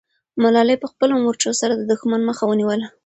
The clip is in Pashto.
ملالۍ په خپلو مرچو سره د دښمن مخه ونیوله.